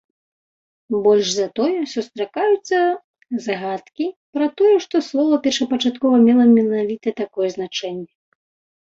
Больш за тое, сустракаюцца згадкі пра тое, што слова першапачаткова мела менавіта такое значэнне.